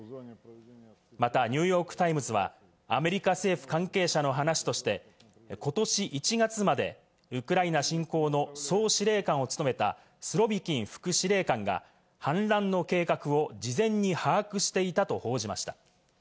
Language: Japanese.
またニューヨーク・タイムズは、アメリカ政府関係者の話として、ことし１月までウクライナ侵攻の総司令官を務めたスロビキン副司令官が反乱の計画を事前に把握していたと報じました。